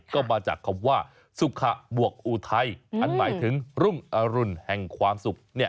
ก็มาจากคำว่าสุขะบวกอุทัยอันหมายถึงรุ่งอรุณแห่งความสุข